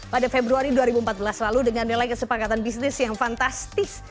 pada februari dua ribu empat belas lalu dengan nilai kesepakatan bisnis yang fantastis